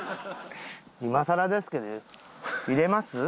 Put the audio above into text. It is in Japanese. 今さらですけど入れます？